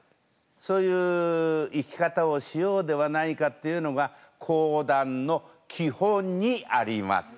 そういう生き方をしようではないかっていうのが講談の基本にあります。